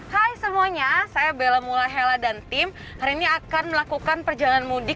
hai semuanya saya bella mulla hela dan tim hari ini akan melakukan perjalanan mudik